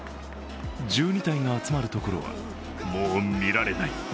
１２体が集まるところはもう見られない。